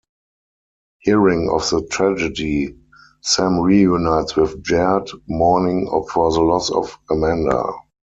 Hearing of the tragedy, Sam reunites with Jared, mourning for the loss of Amanda.